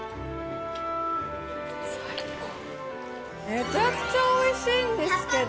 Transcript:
めちゃくちゃ美味しいんですけど。